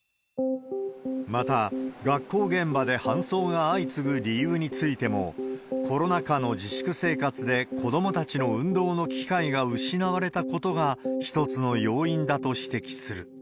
また、学校現場で搬送が相次ぐ理由についても、コロナ禍の自粛生活で子どもたちの運動の機会が失われたことが、一つの要因だと指摘する。